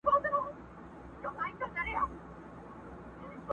دا سړی ملامت نه بولم یارانو.